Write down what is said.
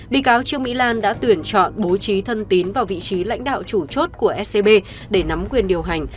bị cáo trương mỹ lan đã tuyển chọn bố trí thân tín vào vị trí lãnh đạo chủ chốt của scb để nắm quyền điều hành